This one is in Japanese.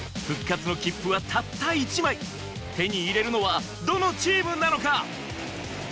復活の切符はたった１枚手に入れるのはどのチームなのか？